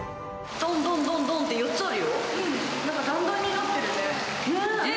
どんどんどんどんって４つあるよ。